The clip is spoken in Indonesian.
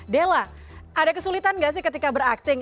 della ada kesulitan gak sih ketika berakting